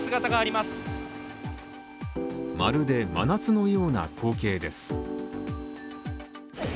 まるで真夏のような光景です。